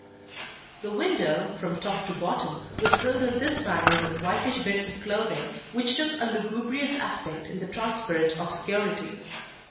The window, from top to bottom, was filled in this manner with whitish bits of clothing, which took a lugubrious aspect in the transparent obscurity.